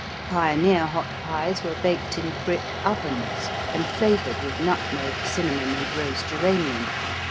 Pioneer hot pies were baked in brick ovens and flavored with nutmeg, cinnamon and rose geranium.